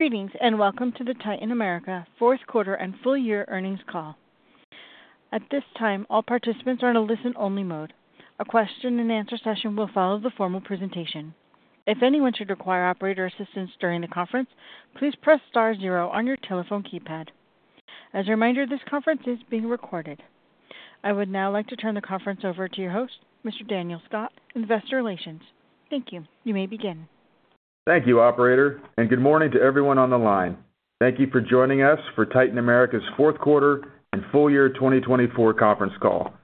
Greetings and welcome to the Titan America Fourth Quarter and Full Year Earnings Call. At this time, all participants are in a listen-only mode. A Q&A session will follow the formal presentation. If anyone should require operator assistance during the conference, please press *0 on your telephone keypad. As a reminder, this conference is being recorded. I would now like to turn the conference over to your host, Mr. Daniel Scott, Investor Relations. Thank you. You may begin. Thank you, Operator. Good morning to everyone on the line. Thank you for joining us for Titan America's Fourth Quarter and Full Year 2024 Conference Call.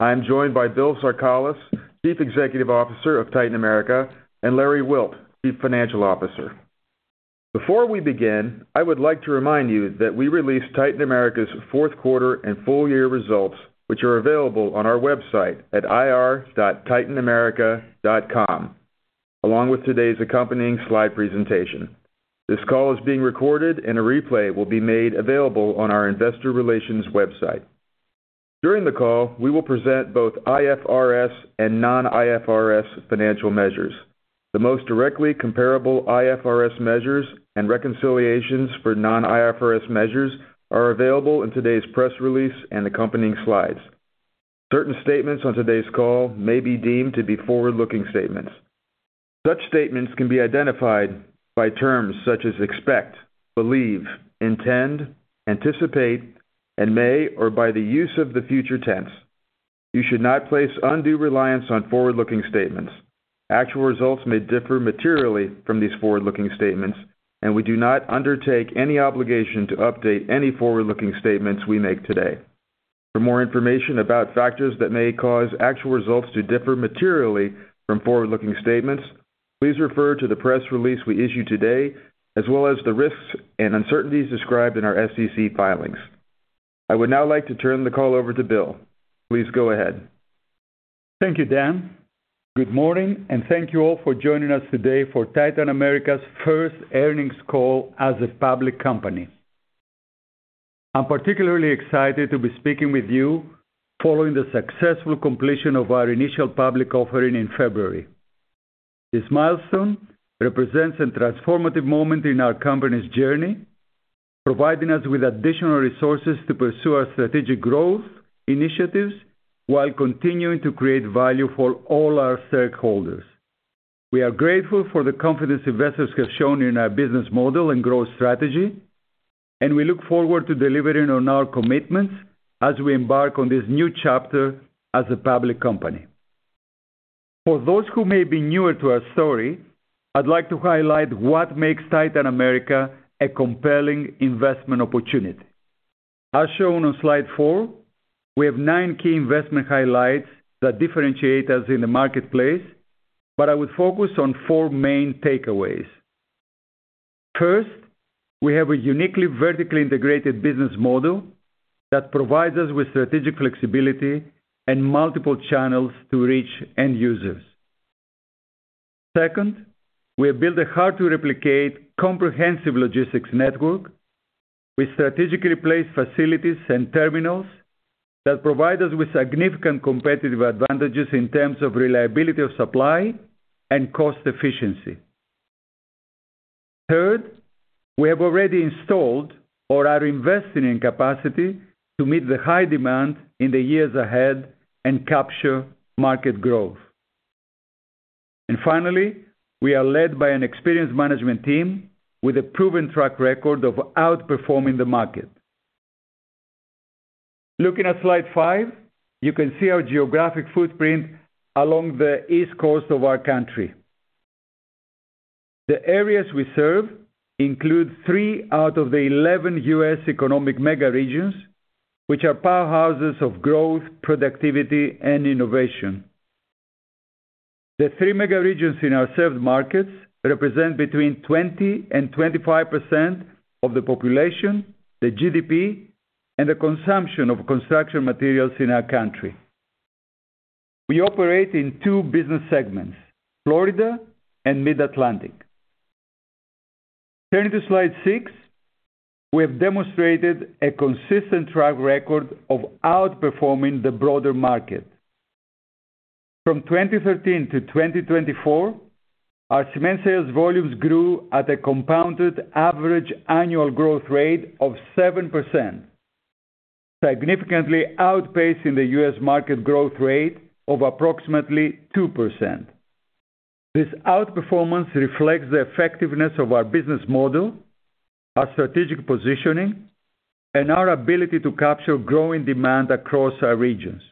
I am joined by Bill Zarkalis, Chief Executive Officer of Titan America, and Larry Wilt, Chief Financial Officer. Before we begin, I would like to remind you that we release Titan America's Fourth Quarter and Full Year results, which are available on our website at ir.titanamerica.com, along with today's accompanying slide presentation. This call is being recorded, and a replay will be made available on our Investor Relations website. During the call, we will present both IFRS and non-IFRS financial measures. The most directly comparable IFRS measures and reconciliations for non-IFRS measures are available in today's press release and accompanying slides. Certain statements on today's call may be deemed to be forward-looking statements. Such statements can be identified by terms such as expect, believe, intend, anticipate, and may, or by the use of the future tense. You should not place undue reliance on forward-looking statements. Actual results may differ materially from these forward-looking statements, and we do not undertake any obligation to update any forward-looking statements we make today. For more information about factors that may cause actual results to differ materially from forward-looking statements, please refer to the press release we issue today, as well as the risks and uncertainties described in our SEC filings. I would now like to turn the call over to Bill. Please go ahead. Thank you, Dan. Good morning, and thank you all for joining us today for Titan America's first earnings call as a public company. I'm particularly excited to be speaking with you following the successful completion of our initial public offering in February. This milestone represents a transformative moment in our company's journey, providing us with additional resources to pursue our strategic growth initiatives while continuing to create value for all our stakeholders. We are grateful for the confidence investors have shown in our business model and growth strategy, and we look forward to delivering on our commitments as we embark on this new chapter as a public company. For those who may be newer to our story, I'd like to highlight what makes Titan America a compelling investment opportunity. As shown on slide four, we have nine key investment highlights that differentiate us in the marketplace, but I would focus on four main takeaways. First, we have a uniquely vertically integrated business model that provides us with strategic flexibility and multiple channels to reach end users. Second, we have built a hard-to-replicate comprehensive logistics network with strategically placed facilities and terminals that provide us with significant competitive advantages in terms of reliability of supply and cost efficiency. Third, we have already installed or are investing in capacity to meet the high demand in the years ahead and capture market growth. Finally, we are led by an experienced management team with a proven track record of outperforming the market. Looking at slide five, you can see our geographic footprint along the East Coast of our country. The areas we serve include three out of the 11 U.S. economic mega regions, which are powerhouses of growth, productivity, and innovation. The three mega regions in our served markets represent between 20% and 25% of the population, the GDP, and the consumption of construction materials in our country. We operate in two business segments, Florida and Mid-Atlantic. Turning to slide six, we have demonstrated a consistent track record of outperforming the broader market. From 2013 to 2024, our cement sales volumes grew at a compounded average annual growth rate of 7%, significantly outpacing the U.S. market growth rate of approximately 2%. This outperformance reflects the effectiveness of our business model, our strategic positioning, and our ability to capture growing demand across our regions.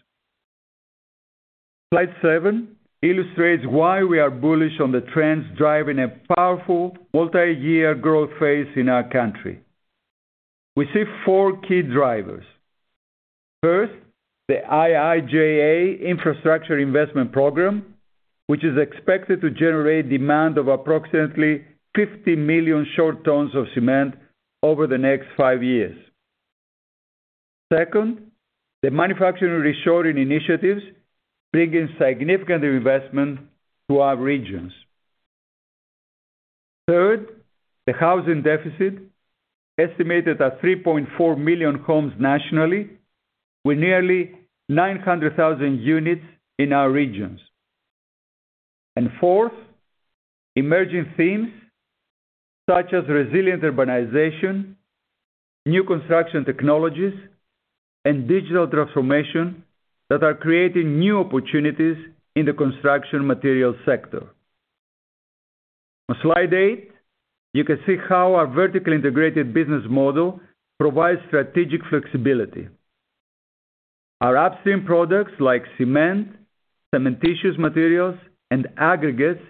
Slide seven illustrates why we are bullish on the trends driving a powerful multi-year growth phase in our country. We see four key drivers. First, the IIJA Infrastructure Investment Program, which is expected to generate demand of approximately 50 million short tons of cement over the next five years. Second, the Manufacturing Reshoring Initiatives bringing significant investment to our regions. Third, the housing deficit, estimated at 3.4 million homes nationally, with nearly 900,000 units in our regions. Fourth, emerging themes such as resilient urbanization, new construction technologies, and digital transformation that are creating new opportunities in the construction materials sector. On slide eight, you can see how our vertically integrated business model provides strategic flexibility. Our upstream products like cement, cementitious materials, and aggregates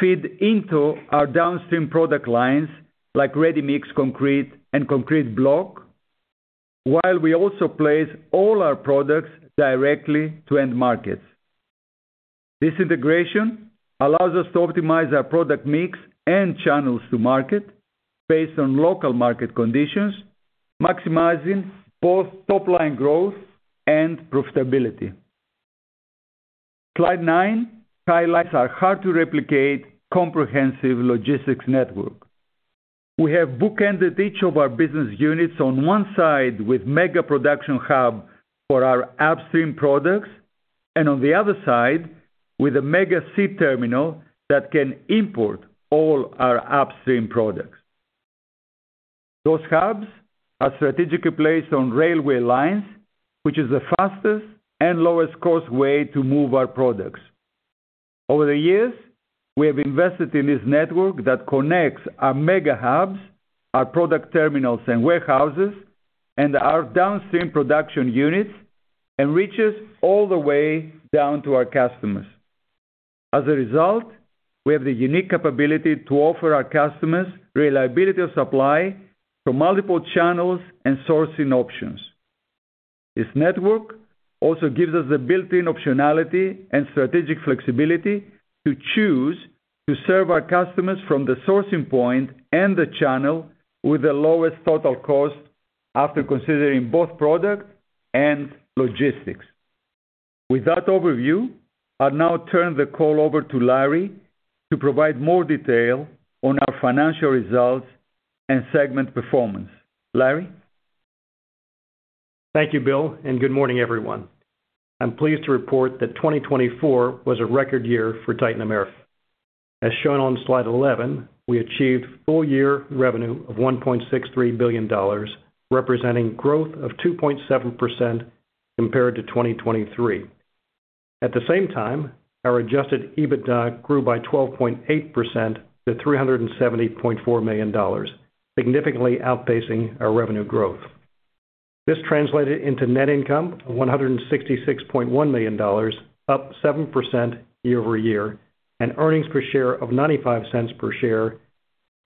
feed into our downstream product lines like ready-mix concrete and concrete block, while we also place all our products directly to end markets. This integration allows us to optimize our product mix and channels to market based on local market conditions, maximizing both top-line growth and profitability. Slide nine highlights our hard-to-replicate comprehensive logistics network. We have bookended each of our business units on one side with a mega production hub for our upstream products, and on the other side, with a mega sea terminal that can import all our upstream products. Those hubs are strategically placed on railway lines, which is the fastest and lowest-cost way to move our products. Over the years, we have invested in this network that connects our mega hubs, our product terminals, and warehouses, and our downstream production units, and reaches all the way down to our customers. As a result, we have the unique capability to offer our customers reliability of supply from multiple channels and sourcing options. This network also gives us the built-in optionality and strategic flexibility to choose to serve our customers from the sourcing point and the channel with the lowest total cost after considering both product and logistics. With that overview, I'll now turn the call over to Larry to provide more detail on our financial results and segment performance. Larry. Thank you, Bill, and good morning, everyone. I'm pleased to report that 2024 was a record year for Titan America. As shown on slide 11, we achieved full year revenue of $1.63 billion, representing growth of 2.7% compared to 2023. At the same time, our adjusted EBITDA grew by 12.8% to $370.4 million, significantly outpacing our revenue growth. This translated into net income of $166.1 million, up 7% year-over-year, and earnings per share of $0.95 per share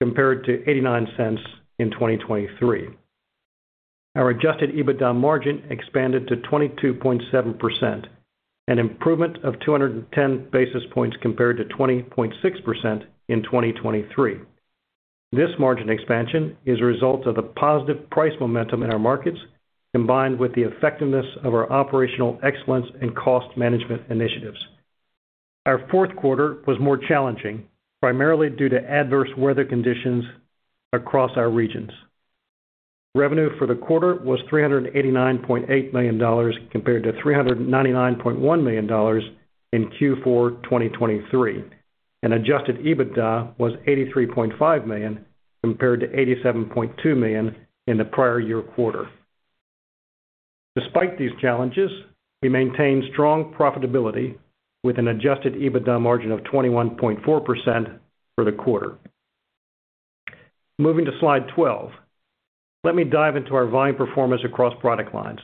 compared to $0.89 in 2023. Our adjusted EBITDA margin expanded to 22.7%, an improvement of 210 basis points compared to 20.6% in 2023. This margin expansion is a result of the positive price momentum in our markets, combined with the effectiveness of our operational excellence and cost management initiatives. Our fourth quarter was more challenging, primarily due to adverse weather conditions across our regions. Revenue for the quarter was $389.8 million compared to $399.1 million in Q4 2023, and adjusted EBITDA was $83.5 million compared to $87.2 million in the prior year quarter. Despite these challenges, we maintained strong profitability with an adjusted EBITDA margin of 21.4% for the quarter. Moving to slide 12, let me dive into our volume performance across product lines.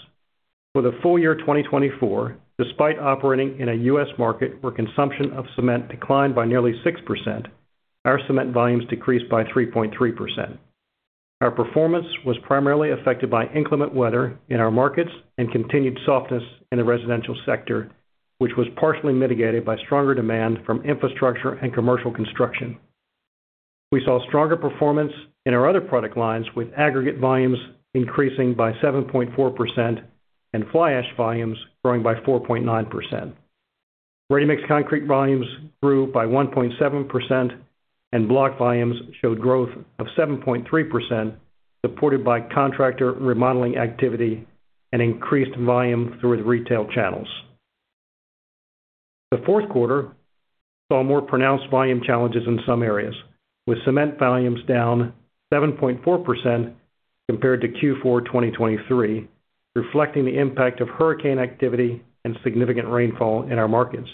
For the full year 2024, despite operating in a U.S. market where consumption of cement declined by nearly 6%, our cement volumes decreased by 3.3%. Our performance was primarily affected by inclement weather in our markets and continued softness in the residential sector, which was partially mitigated by stronger demand from infrastructure and commercial construction. We saw stronger performance in our other product lines, with aggregate volumes increasing by 7.4% and fly ash volumes growing by 4.9%. Ready-mix concrete volumes grew by 1.7%, and block volumes showed growth of 7.3%, supported by contractor remodeling activity and increased volume through the retail channels. The fourth quarter saw more pronounced volume challenges in some areas, with cement volumes down 7.4% compared to Q4 2023, reflecting the impact of hurricane activity and significant rainfall in our markets.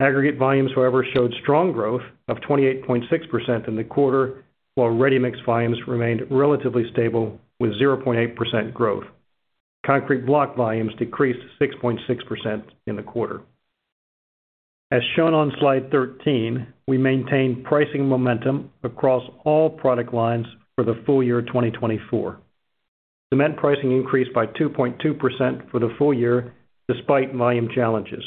Aggregate volumes, however, showed strong growth of 28.6% in the quarter, while ready-mix volumes remained relatively stable with 0.8% growth. Concrete block volumes decreased 6.6% in the quarter. As shown on slide 13, we maintained pricing momentum across all product lines for the full year 2024. Cement pricing increased by 2.2% for the full year despite volume challenges.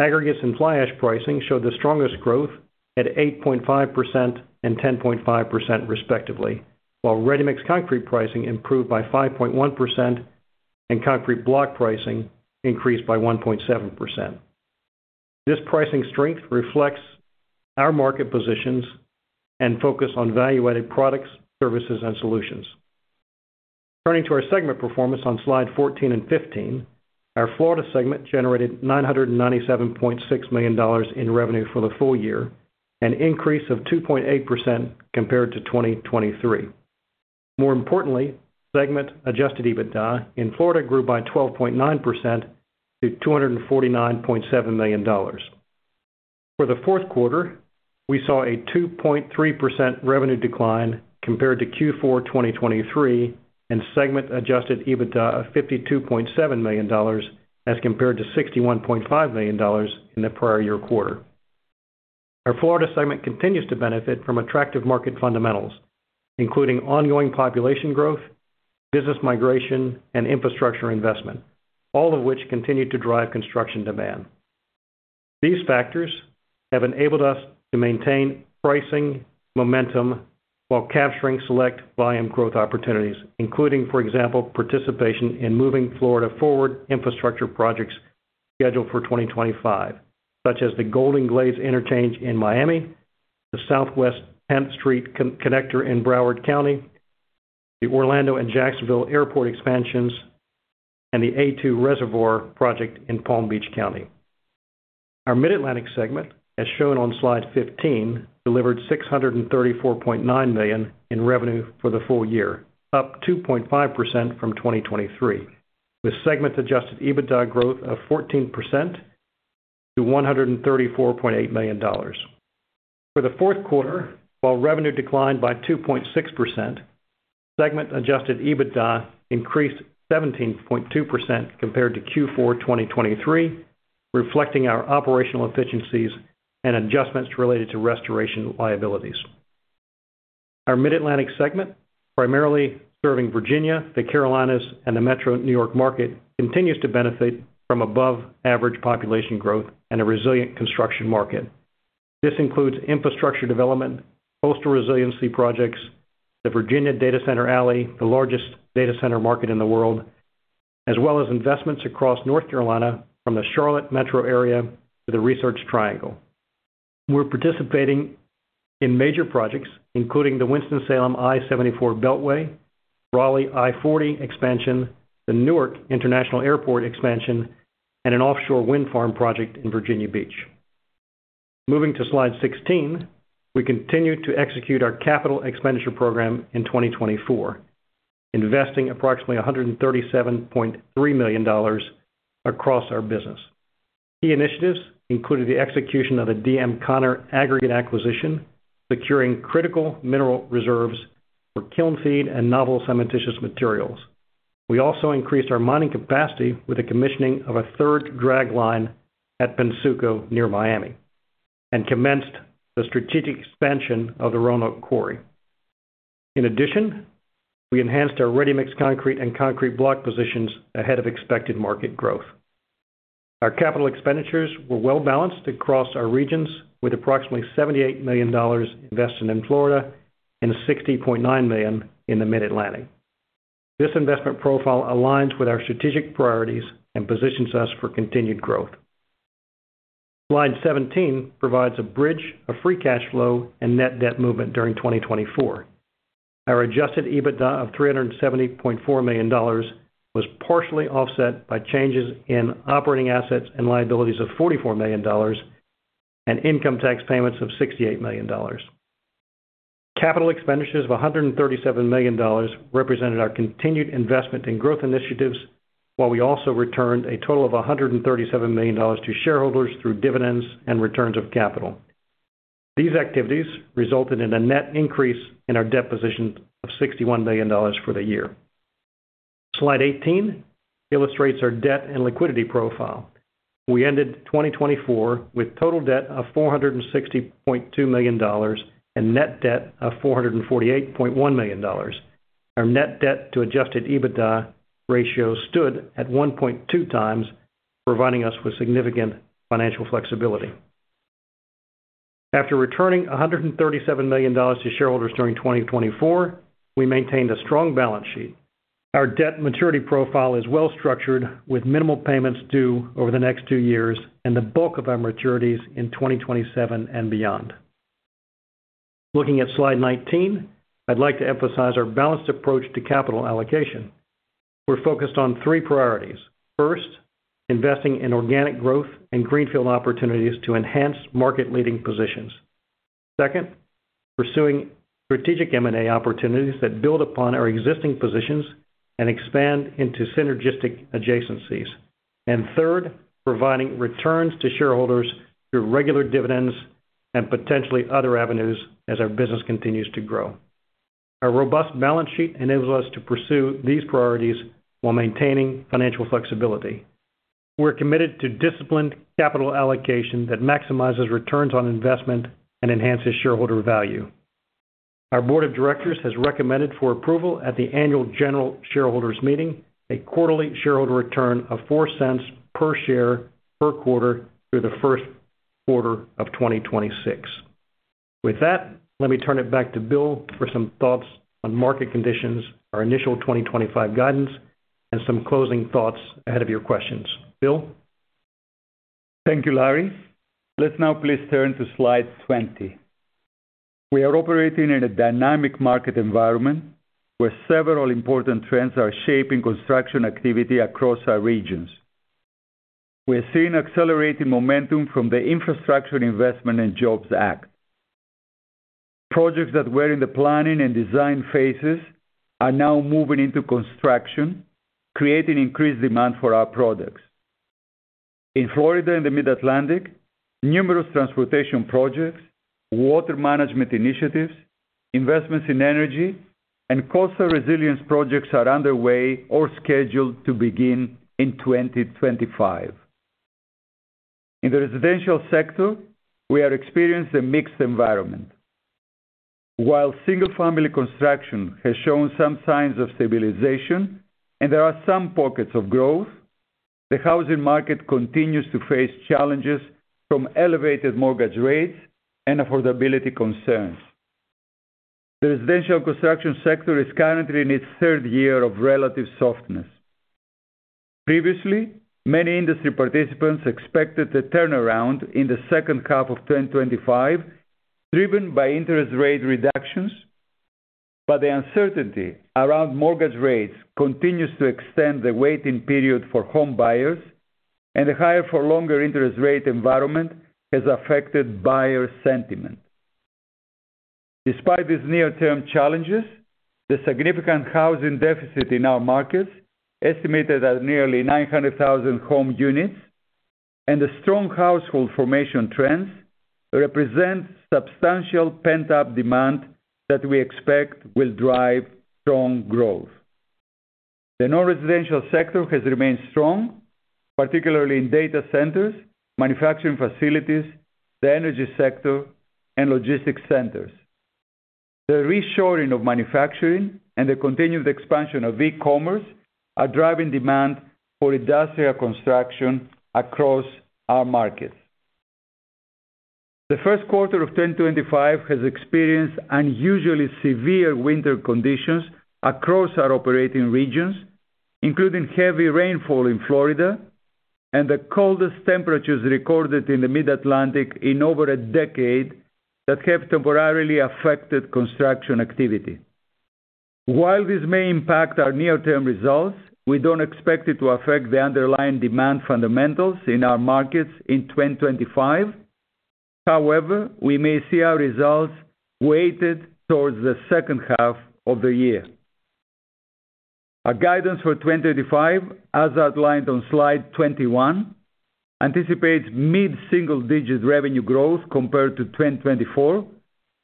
Aggregates and fly ash pricing showed the strongest growth at 8.5% and 10.5%, respectively, while ready-mix concrete pricing improved by 5.1% and concrete block pricing increased by 1.7%. This pricing strength reflects our market positions and focus on value-added products, services, and solutions. Turning to our segment performance on slide 14 and 15, our Florida segment generated $997.6 million in revenue for the full year, an increase of 2.8% compared to 2023. More importantly, segment adjusted EBITDA in Florida grew by 12.9% to $249.7 million. For the fourth quarter, we saw a 2.3% revenue decline compared to Q4 2023 and segment adjusted EBITDA of $52.7 million as compared to $61.5 million in the prior year quarter. Our Florida segment continues to benefit from attractive market fundamentals, including ongoing population growth, business migration, and infrastructure investment, all of which continue to drive construction demand. These factors have enabled us to maintain pricing momentum while capturing select volume growth opportunities, including, for example, participation in Moving Florida Forward infrastructure projects scheduled for 2025, such as the Golden Glades Interchange in Miami, the Southwest 10th Street Connector in Broward County, the Orlando and Jacksonville Airport expansions, and the A-2 Reservoir project in Palm Beach County. Our Mid-Atlantic segment, as shown on slide 15, delivered $634.9 million in revenue for the full year, up 2.5% from 2023, with segment adjusted EBITDA growth of 14% to $134.8 million. For the fourth quarter, while revenue declined by 2.6%, segment adjusted EBITDA increased 17.2% compared to Q4 2023, reflecting our operational efficiencies and adjustments related to restoration liabilities. Our Mid-Atlantic segment, primarily serving Virginia, the Carolinas, and the Metro New York market, continues to benefit from above-average population growth and a resilient construction market. This includes infrastructure development, coastal resiliency projects, the Virginia Data Center Alley, the largest data center market in the world, as well as investments across North Carolina from the Charlotte Metro area to the Research Triangle. We're participating in major projects, including the Winston-Salem I-74 Beltway, Raleigh I-40 expansion, the Newark International Airport expansion, and an offshore wind farm project in Virginia Beach. Moving to slide 16, we continue to execute our capital expenditure program in 2024, investing approximately $137.3 million across our business. Key initiatives included the execution of a D.M. Conner aggregate acquisition, securing critical mineral reserves for kiln feed and novel cementitious materials. We also increased our mining capacity with the commissioning of a third dragline at Pennsuco near Miami and commenced the strategic expansion of the Roanoke Quarry. In addition, we enhanced our ready-mix concrete and concrete block positions ahead of expected market growth. Our capital expenditures were well-balanced across our regions, with approximately $78 million invested in Florida and $60.9 million in the Mid-Atlantic. This investment profile aligns with our strategic priorities and positions us for continued growth. Slide 17 provides a bridge of free cash flow and net debt movement during 2024. Our adjusted EBITDA of $370.4 million was partially offset by changes in operating assets and liabilities of $44 million and income tax payments of $68 million. Capital expenditures of $137 million represented our continued investment in growth initiatives, while we also returned a total of $137 million to shareholders through dividends and returns of capital. These activities resulted in a net increase in our debt positions of $61 million for the year. Slide 18 illustrates our debt and liquidity profile. We ended 2024 with total debt of $460.2 million and net debt of $448.1 million. Our net debt to adjusted EBITDA ratio stood at 1.2 times, providing us with significant financial flexibility. After returning $137 million to shareholders during 2024, we maintained a strong balance sheet. Our debt maturity profile is well-structured, with minimal payments due over the next two years and the bulk of our maturities in 2027 and beyond. Looking at slide 19, I'd like to emphasize our balanced approach to capital allocation. We're focused on three priorities. First, investing in organic growth and greenfield opportunities to enhance market-leading positions. Second, pursuing strategic M&A opportunities that build upon our existing positions and expand into synergistic adjacencies. Third, providing returns to shareholders through regular dividends and potentially other avenues as our business continues to grow. Our robust balance sheet enables us to pursue these priorities while maintaining financial flexibility. We're committed to disciplined capital allocation that maximizes returns on investment and enhances shareholder value. Our board of directors has recommended for approval at the annual general shareholders meeting a quarterly shareholder return of $0.04 per share per quarter through the first quarter of 2026. With that, let me turn it back to Bill for some thoughts on market conditions, our initial 2025 guidance, and some closing thoughts ahead of your questions. Bill? Thank you, Larry. Let's now please turn to slide 20. We are operating in a dynamic market environment where several important trends are shaping construction activity across our regions. We're seeing accelerating momentum from the Infrastructure Investment and Jobs Act. Projects that were in the planning and design phases are now moving into construction, creating increased demand for our products. In Florida and the Mid-Atlantic, numerous transportation projects, water management initiatives, investments in energy, and coastal resilience projects are underway or scheduled to begin in 2025. In the residential sector, we are experiencing a mixed environment. While single-family construction has shown some signs of stabilization and there are some pockets of growth, the housing market continues to face challenges from elevated mortgage rates and affordability concerns. The residential construction sector is currently in its third year of relative softness. Previously, many industry participants expected a turnaround in the second half of 2025, driven by interest rate reductions, but the uncertainty around mortgage rates continues to extend the waiting period for home buyers, and the higher-for-longer interest rate environment has affected buyer sentiment. Despite these near-term challenges, the significant housing deficit in our markets, estimated at nearly 900,000 home units and the strong household formation trends, represent substantial pent-up demand that we expect will drive strong growth. The non-residential sector has remained strong, particularly in data centers, manufacturing facilities, the energy sector, and logistics centers. The reshoring of manufacturing and the continued expansion of e-commerce are driving demand for industrial construction across our markets. The first quarter of 2025 has experienced unusually severe winter conditions across our operating regions, including heavy rainfall in Florida and the coldest temperatures recorded in the Mid-Atlantic in over a decade that have temporarily affected construction activity. While this may impact our near-term results, we don't expect it to affect the underlying demand fundamentals in our markets in 2025. However, we may see our results weighted towards the second half of the year. Our guidance for 2025, as outlined on slide 21, anticipates mid-single-digit revenue growth compared to 2024,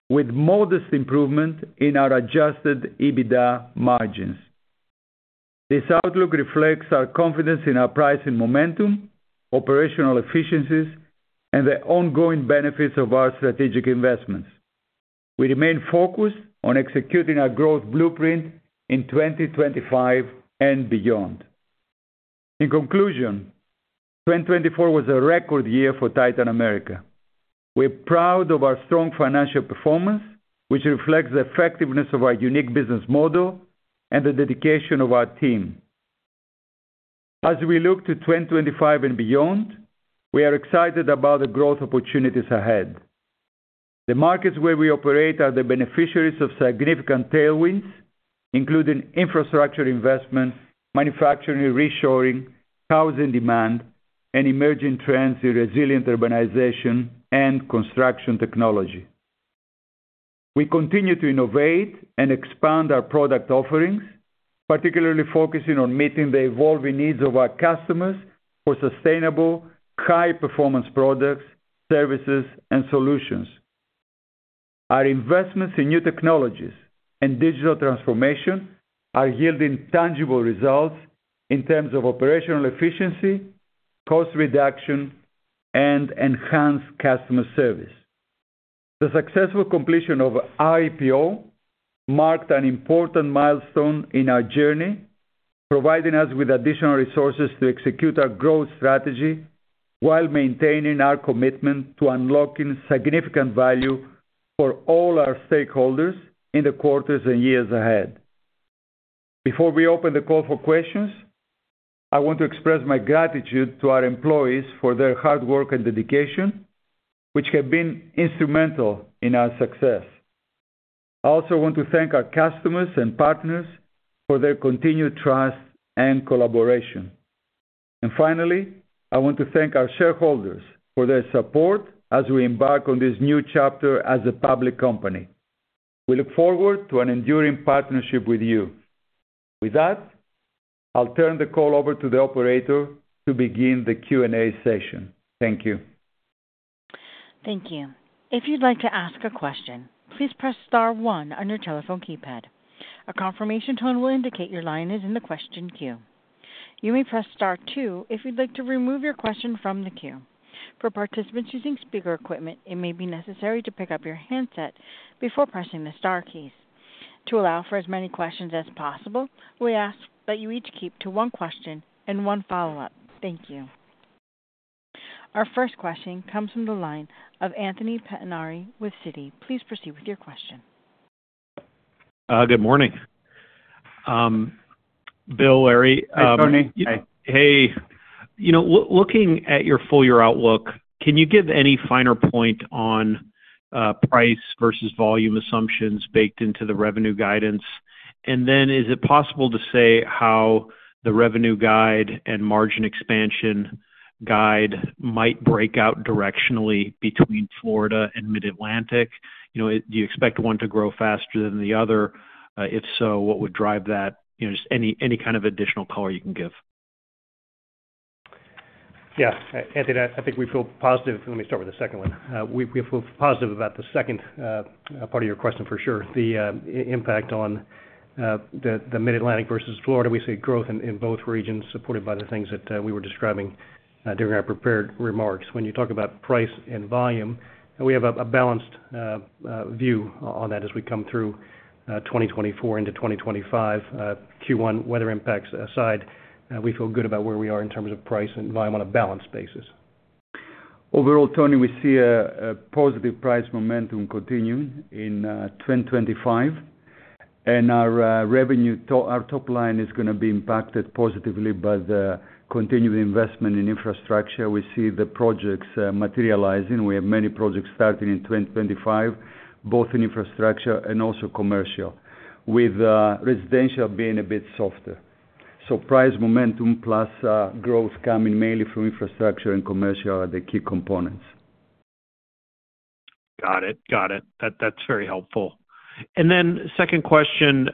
with modest improvement in our adjusted EBITDA margins. This outlook reflects our confidence in our pricing momentum, operational efficiencies, and the ongoing benefits of our strategic investments. We remain focused on executing our growth blueprint in 2025 and beyond. In conclusion, 2024 was a record year for Titan America. We're proud of our strong financial performance, which reflects the effectiveness of our unique business model and the dedication of our team. As we look to 2025 and beyond, we are excited about the growth opportunities ahead. The markets where we operate are the beneficiaries of significant tailwinds, including infrastructure investments, manufacturing reshoring, housing demand, and emerging trends in resilient urbanization and construction technology. We continue to innovate and expand our product offerings, particularly focusing on meeting the evolving needs of our customers for sustainable, high-performance products, services, and solutions. Our investments in new technologies and digital transformation are yielding tangible results in terms of operational efficiency, cost reduction, and enhanced customer service. The successful completion of our IPO marked an important milestone in our journey, providing us with additional resources to execute our growth strategy while maintaining our commitment to unlocking significant value for all our stakeholders in the quarters and years ahead. Before we open the call for questions, I want to express my gratitude to our employees for their hard work and dedication, which have been instrumental in our success. I also want to thank our customers and partners for their continued trust and collaboration. I want to thank our shareholders for their support as we embark on this new chapter as a public company. We look forward to an enduring partnership with you. With that, I'll turn the call over to the operator to begin the Q&A session. Thank you. Thank you. If you'd like to ask a question, please press *1 on your telephone keypad. A confirmation tone will indicate your line is in the question queue. You may press *2 if you'd like to remove your question from the queue. For participants using speaker equipment, it may be necessary to pick up your handset before pressing the * keys. To allow for as many questions as possible, we ask that you each keep to one question and one follow-up. Thank you. Our first question comes from the line of Anthony Pettinari with Citi. Please proceed with your question. Good morning. Bill, Larry. Hey, Tony. Hey. You know, looking at your full-year outlook, can you give any finer point on price versus volume assumptions baked into the revenue guidance? And then, is it possible to say how the revenue guide and margin expansion guide might break out directionally between Florida and Mid-Atlantic? You know, do you expect one to grow faster than the other? If so, what would drive that? You know, just any kind of additional color you can give. Yeah. Anthony, I think we feel positive—let me start with the second one. We feel positive about the second part of your question, for sure. The impact on the Mid-Atlantic versus Florida, we see growth in both regions, supported by the things that we were describing during our prepared remarks. When you talk about price and volume, we have a balanced view on that as we come through 2024 into 2025. Q1 weather impacts aside, we feel good about where we are in terms of price and volume on a balanced basis. Overall, Tony, we see a positive price momentum continuing in 2025, and our revenue, our top line is going to be impacted positively by the continued investment in infrastructure. We see the projects materializing. We have many projects starting in 2025, both in infrastructure and also commercial, with residential being a bit softer. Price momentum plus growth coming mainly from infrastructure and commercial are the key components. Got it. Got it. That's very helpful. Second question,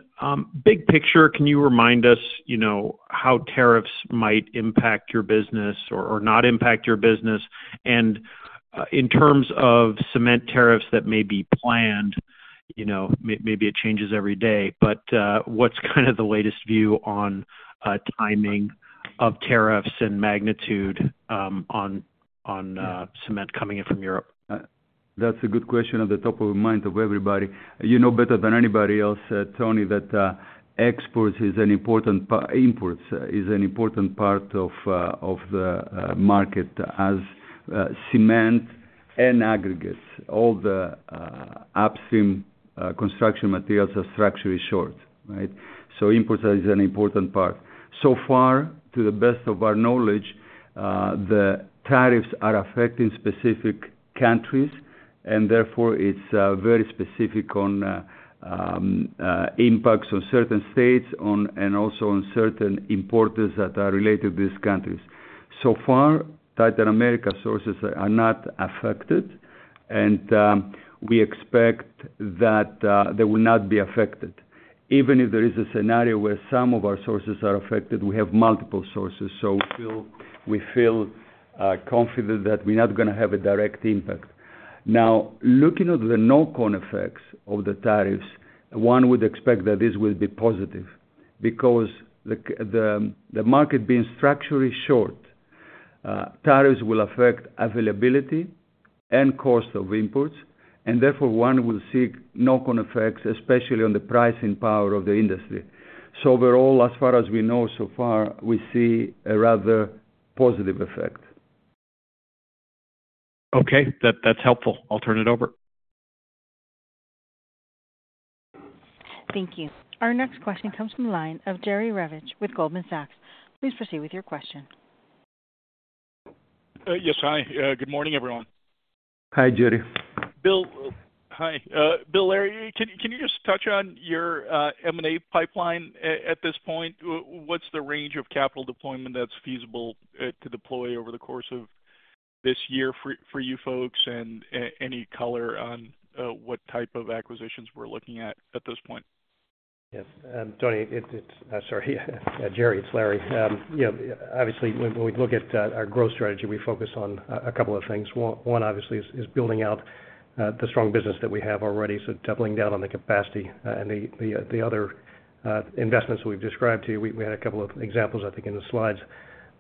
big picture, can you remind us, you know, how tariffs might impact your business or not impact your business? In terms of cement tariffs that may be planned, you know, maybe it changes every day, but what's kind of the latest view on timing of tariffs and magnitude on cement coming in from Europe? That's a good question at the top of mind of everybody. You know better than anybody else, Tony, that exports is an important—imports is an important part of the market, as cement and aggregates, all the upstream construction materials are structurally short, right? Imports is an important part. So far, to the best of our knowledge, the tariffs are affecting specific countries, and therefore it's very specific on impacts on certain states and also on certain imports that are related to these countries. So far, Titan America sources are not affected, and we expect that they will not be affected. Even if there is a scenario where some of our sources are affected, we have multiple sources, so we feel confident that we're not going to have a direct impact. Now, looking at the knock-on effects of the tariffs, one would expect that this will be positive because the market being structurally short, tariffs will affect availability and cost of imports, and therefore one will see knock-on effects, especially on the pricing power of the industry. Overall, as far as we know so far, we see a rather positive effect. Okay. That's helpful. I'll turn it over. Thank you. Our next question comes from the line of Jerry Revich with Goldman Sachs. Please proceed with your question. Yes, hi. Good morning, everyone. Hi, Jerry. Bill, hi. Bill, Larry, can you just touch on your M&A pipeline at this point? What's the range of capital deployment that's feasible to deploy over the course of this year for you folks, and any color on what type of acquisitions we're looking at at this point? Yes. Tony, sorry, Jerry, it's Larry. You know, obviously, when we look at our growth strategy, we focus on a couple of things. One, obviously, is building out the strong business that we have already, so doubling down on the capacity and the other investments we've described to you. We had a couple of examples, I think, in the slides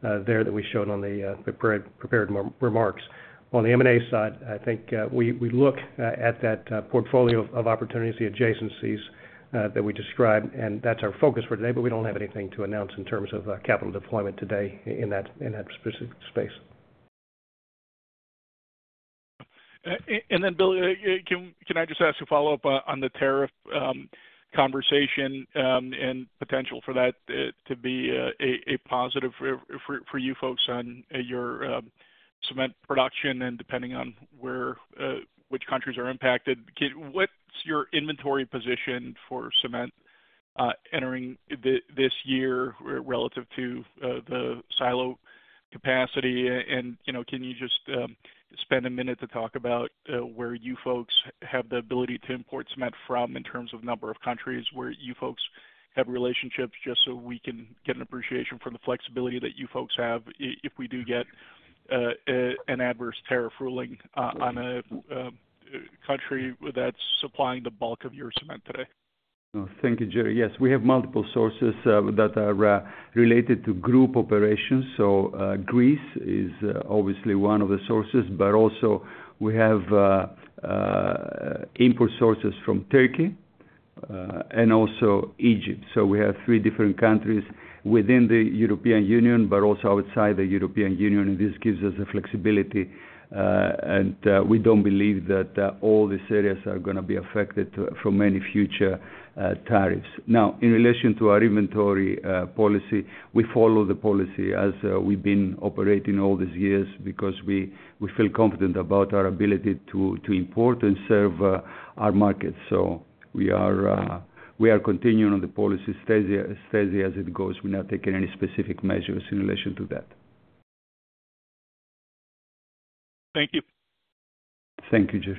there that we showed on the prepared remarks. On the M&A side, I think we look at that portfolio of opportunities, the adjacencies that we described, and that's our focus for today, but we do not have anything to announce in terms of capital deployment today in that specific space. Bill, can I just ask a follow-up on the tariff conversation and potential for that to be a positive for you folks on your cement production and depending on which countries are impacted? What is your inventory position for cement entering this year relative to the silo capacity? You know, can you just spend a minute to talk about where you folks have the ability to import cement from in terms of number of countries where you folks have relationships, just so we can get an appreciation for the flexibility that you folks have if we do get an adverse tariff ruling on a country that is supplying the bulk of your cement today? Thank you, Jerry. Yes, we have multiple sources that are related to group operations. Greece is obviously one of the sources, but also we have import sources from Turkey and also Egypt. We have three different countries within the European Union, but also outside the European Union, and this gives us the flexibility, and we do not believe that all these areas are going to be affected from any future tariffs. Now, in relation to our inventory policy, we follow the policy as we have been operating all these years because we feel confident about our ability to import and serve our markets. We are continuing on the policy steady as it goes. We are not taking any specific measures in relation to that. Thank you. Thank you, Jerry.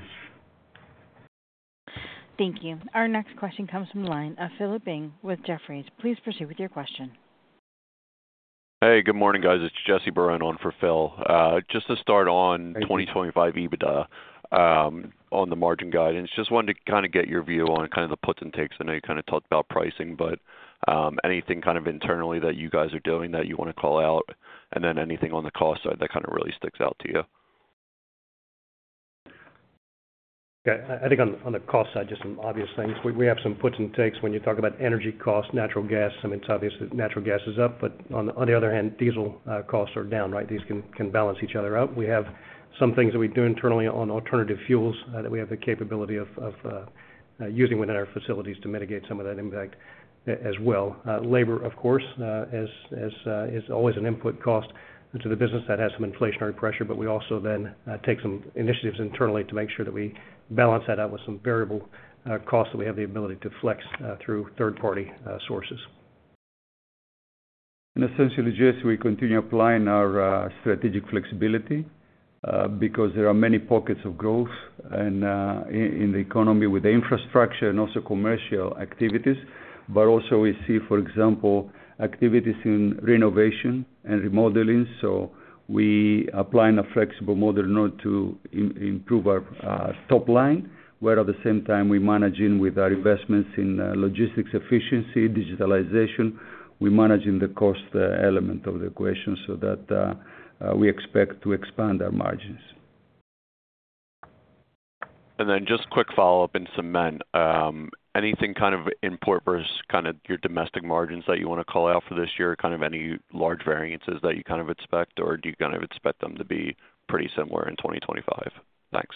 Thank you. Our next question comes from the line of Philip Ng with Jefferies. Please proceed with your question. Hey, good morning, guys. It's Jesse Barone on for Phil. Just to start on 2025 EBITDA on the margin guidance, just wanted to kind of get your view on kind of the puts and takes. I know you kind of talked about pricing, but anything kind of internally that you guys are doing that you want to call out, and then anything on the cost side that kind of really sticks out to you? Okay. I think on the cost side, just some obvious things. We have some puts and takes when you talk about energy costs, natural gas. I mean, it's obvious that natural gas is up, but on the other hand, diesel costs are down, right? These can balance each other out. We have some things that we do internally on alternative fuels that we have the capability of using within our facilities to mitigate some of that impact as well. Labor, of course, is always an input cost to the business that has some inflationary pressure, but we also then take some initiatives internally to make sure that we balance that out with some variable costs that we have the ability to flex through third-party sources. Essentially, Jesse, we continue applying our strategic flexibility because there are many pockets of growth in the economy with the infrastructure and also commercial activities, but also we see, for example, activities in renovation and remodeling. We apply a flexible model in order to improve our top line, while at the same time we manage with our investments in logistics efficiency, digitalization. We manage the cost element of the equation so that we expect to expand our margins. Just quick follow-up in cement. Anything kind of import versus kind of your domestic margins that you want to call out for this year? Kind of any large variances that you kind of expect, or do you kind of expect them to be pretty similar in 2025? Thanks.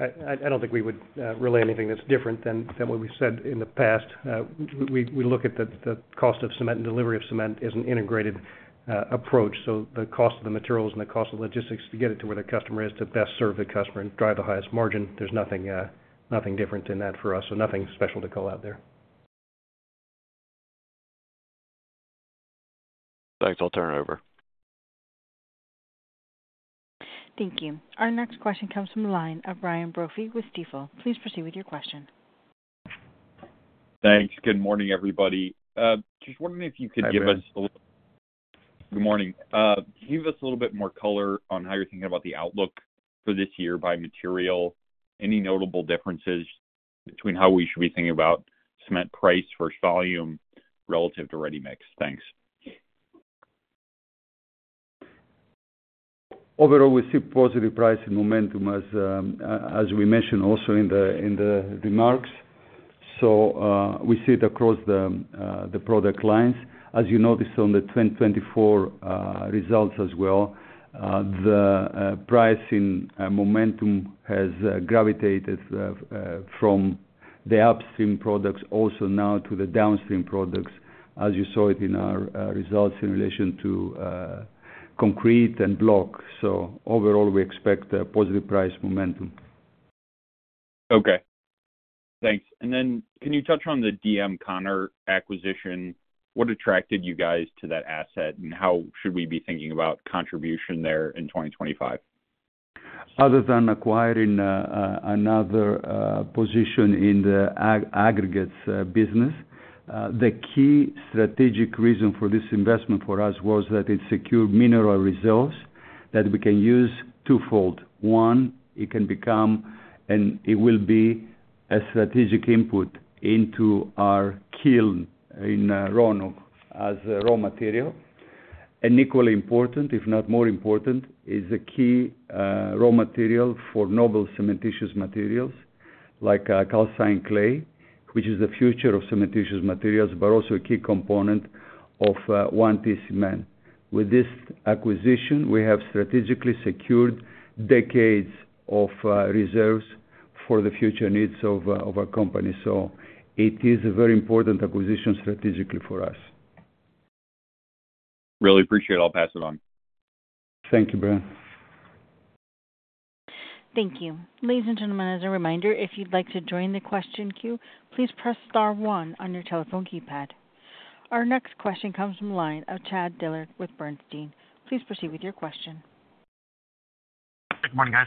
I don't think we would relay anything that's different than what we've said in the past. We look at the cost of cement and delivery of cement as an integrated approach. The cost of the materials and the cost of logistics to get it to where the customer is to best serve the customer and drive the highest margin, there's nothing different in that for us, so nothing special to call out there. Thanks. I'll turn it over. Thank you. Our next question comes from the line of Brian Brophy with Stifel. Please proceed with your question. Thanks. Good morning, everybody. Just wondering if you could give us a little—good morning. Give us a little bit more color on how you're thinking about the outlook for this year by material, any notable differences between how we should be thinking about cement price versus volume relative to ready mix. Thanks. Overall, we see positive price and momentum, as we mentioned also in the remarks. We see it across the product lines. As you noticed on the 2024 results as well, the pricing momentum has gravitated from the upstream products also now to the downstream products, as you saw it in our results in relation to concrete and block. Overall, we expect positive price momentum. Okay. Thanks. Can you touch on the D.M. Conner acquisition? What attracted you guys to that asset, and how should we be thinking about contribution there in 2025? Other than acquiring another position in the aggregates business, the key strategic reason for this investment for us was that it secured mineral reserves that we can use twofold. One, it can become and it will be a strategic input into our kiln in Roanoke as raw material. Equally important, if not more important, is a key raw material for novel cementitious materials like calcined clay, which is the future of cementitious materials, but also a key component of 1T cement. With this acquisition, we have strategically secured decades of reserves for the future needs of our company. It is a very important acquisition strategically for us. Really appreciate it. I'll pass it on. Thank you, Brian. Thank you. Ladies and gentlemen, as a reminder, if you'd like to join the question queue, please press *1 on your telephone keypad. Our next question comes from the line of Chad Dillard with Bernstein. Please proceed with your question. Good morning, guys.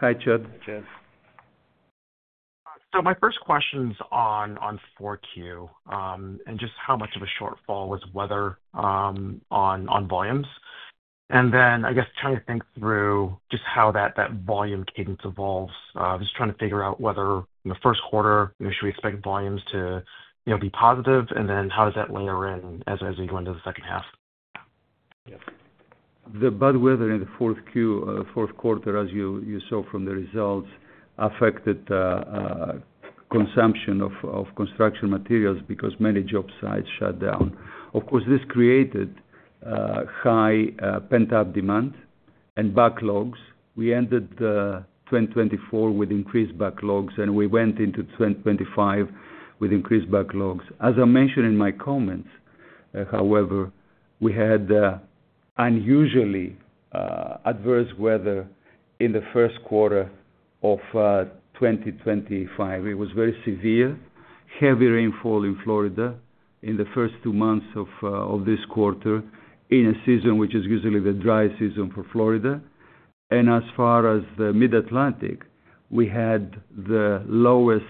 Hi, Chad. My first question is on 4Q and just how much of a shortfall was weather on volumes. I guess trying to think through just how that volume cadence evolves. Just trying to figure out whether in the first quarter, should we expect volumes to be positive, and then how does that layer in as we go into the second half? The bad weather in the fourth quarter, as you saw from the results, affected consumption of construction materials because many job sites shut down. Of course, this created high pent-up demand and backlogs. We ended 2024 with increased backlogs, and we went into 2025 with increased backlogs. As I mentioned in my comments, however, we had unusually adverse weather in the first quarter of 2025. It was very severe, heavy rainfall in Florida in the first two months of this quarter in a season which is usually the dry season for Florida. As far as the Mid-Atlantic, we had the lowest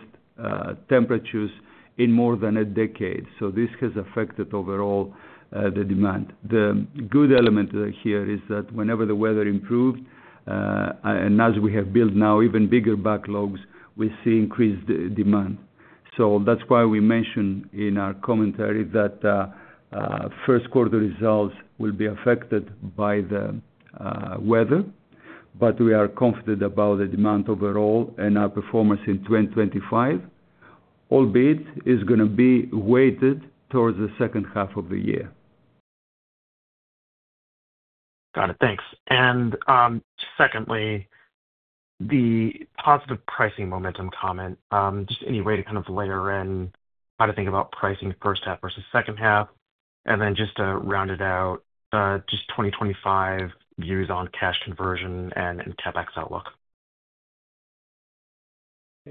temperatures in more than a decade. This has affected overall the demand. The good element here is that whenever the weather improved, and as we have built now even bigger backlogs, we see increased demand. That's why we mentioned in our commentary that first quarter results will be affected by the weather, but we are confident about the demand overall and our performance in 2025, albeit it's going to be weighted towards the second half of the year. Got it. Thanks. Secondly, the positive pricing momentum comment, just any way to kind of layer in how to think about pricing first half versus second half, and then just to round it out, just 2025 views on cash conversion and CapEx outlook.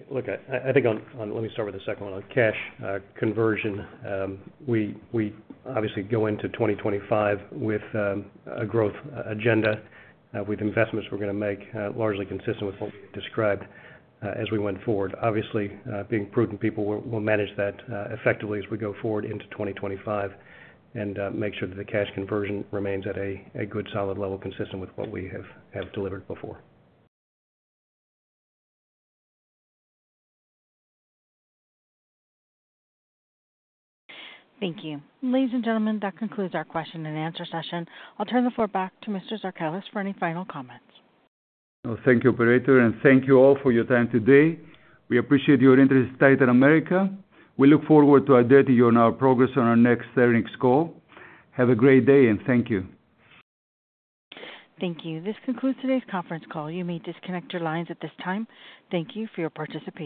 Look, I think on—let me start with the second one on cash conversion. We obviously go into 2025 with a growth agenda, with investments we're going to make largely consistent with what we described as we went forward. Obviously, being prudent, people will manage that effectively as we go forward into 2025 and make sure that the cash conversion remains at a good solid level consistent with what we have delivered before. Thank you. Ladies and gentlemen, that concludes our question and answer session. I'll turn the floor back to Mr. Zarkalis for any final comments. Thank you, Operator, and thank you all for your time today. We appreciate your interest in Titan America. We look forward to updating you on our progress on our next earnings call. Have a great day, and thank you. Thank you. This concludes today's conference call. You may disconnect your lines at this time. Thank you for your participation.